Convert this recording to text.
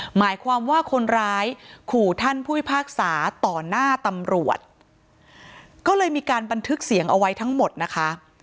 หมายความว่าคนร้ายขู่ท่านผู้พิพากษาต่อหน้าตำรวจก็เลยมีการบันทึกเสียงเอาไว้ทั้งหมดนะคะ